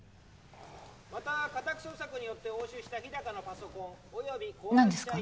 また家宅捜索によって押収した日高のパソコンおよび何ですか？